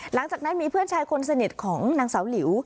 หลังจากนั้นมีเพื่อนชายคนสนิทของนางสาวหลิว